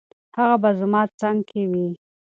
هغه به زما څنګ کې وي.